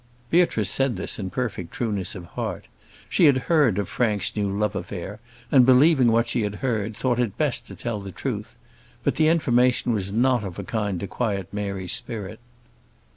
Beatrice said this in perfect trueness of heart. She had heard of Frank's new love affair, and believing what she had heard, thought it best to tell the truth. But the information was not of a kind to quiet Mary's spirit.